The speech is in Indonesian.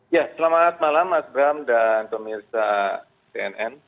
ya selamat malam mas bram dan pemirsa cnn